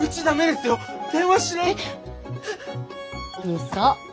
うそ。